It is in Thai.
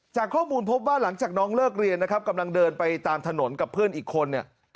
จากข้อมูลพบว่าหลังจากน้องเลิกเรียนนะครับกำลังเดินไปตามถนนกับเพื่อนอีกคนเนี่ย